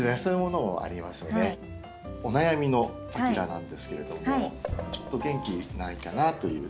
お悩みのパキラなんですけれどもちょっと元気ないかなという。